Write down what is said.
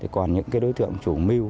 còn những đối tượng chủ mưu